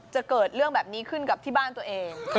เกิดเรื่องแบบนี้ขึ้นกับที่บ้านตัวเอง